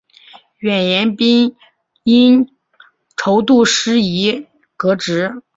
阮廷宾因筹度失宜革职。